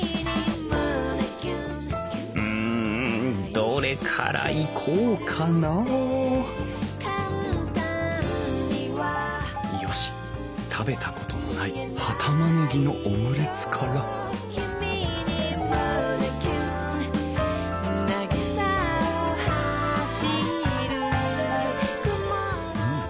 うんどれからいこうかなあよし食べたことのない葉たまねぎのオムレツからうん。